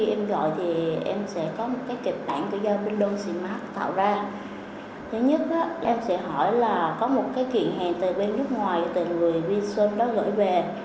em sẽ hỏi là có một cái chuyển hàng từ bên nước ngoài từ người viên sơn đó gửi về